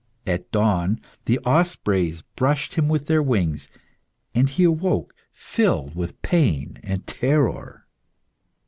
At dawn the ospreys brushed him with their wings, and he awoke filled with pain and terror.